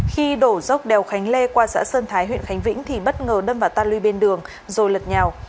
khi đổ dốc đèo khánh lê qua xã sơn thái huyện khánh vĩnh thì bất ngờ đâm vào tan lưu bên đường rồi lật nhào